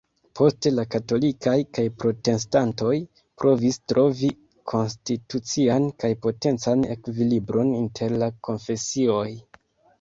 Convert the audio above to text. Poste la katolikaj kaj protestantoj provis trovi konstitucian kaj potencan ekvilibron inter la konfesioj.